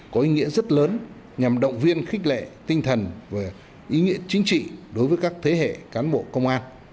có ý nghĩa rất lớn nhằm động viên khích lệ tinh thần và ý nghĩa chính trị đối với các thế hệ cán bộ công an